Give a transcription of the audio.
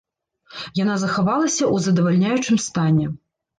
Яна захавалася ў задавальняючым стане.